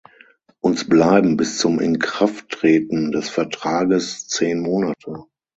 Uns bleiben bis zum Inkrafttreten des Vertrags zehn Monate.